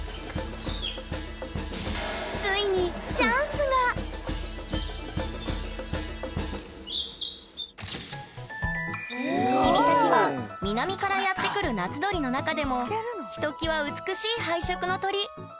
するとキビタキは南からやって来る夏鳥の中でもひときわ美しい配色の鳥。